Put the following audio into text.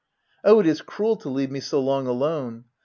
Oh, it is cruel to leave me so long alone